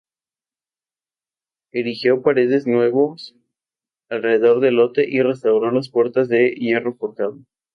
Erigió paredes nuevos alrededor del lote y restauró las puertas de hierro forjado.